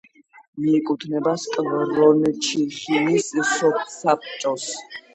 მიეკუთვნება სკვორჩიხინის სოფსაბჭოს.